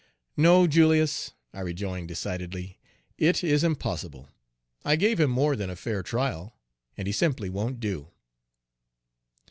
"No, Julius," I rejoined decidedly, "it is impossible. I gave him more than a fair trial, and he simply won't do."